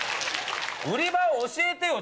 売り場を教えてよ！